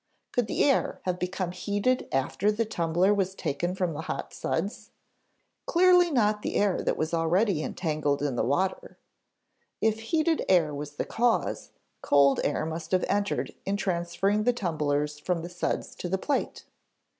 Could the air have become heated after the tumbler was taken from the hot suds? Clearly not the air that was already entangled in the water. If heated air was the cause, cold air must have entered in transferring the tumblers from the suds to the plate.